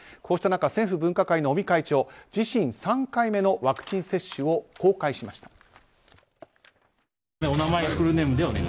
こうした中、政府分科会の尾身会長は自身３回目のワクチン接種を公開しました。